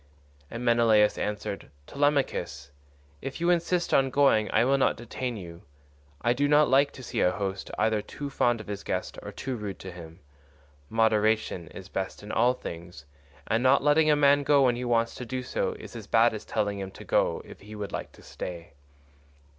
And Menelaus answered, "Telemachus, if you insist on going I will not detain you. I do not like to see a host either too fond of his guest or too rude to him. Moderation is best in all things, and not letting a man go when he wants to do so is as bad as telling him to go if he would like to stay.